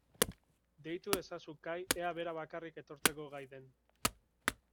Deitu ezazu Kai ea bera bakarrik etortzeko gai den.